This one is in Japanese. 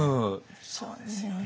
そうですよね。